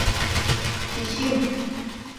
— Сӱсьӱм...